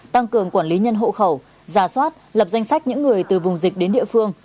tăng cường quản lý nhân hộ khẩu ra soát lập danh sách những người từ vùng dịch đến địa phương